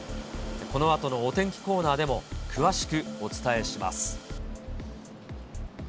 このあとのお天気コーナーでも詳しくお伝えします。